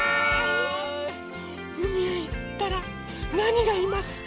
うみへいったらなにがいますか？